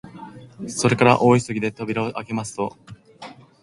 それから大急ぎで扉をあけますと、